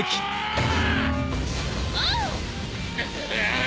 あっ！